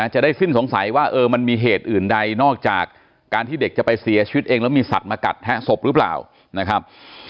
จะได้สิ้นสงสัยว่ามันมีเหตุอื่นใดนอกจากการที่เด็กจะไปเสียชีวิตเองแล้วมีสัตว์มากัดแทะศพหรือเปล่านะครับ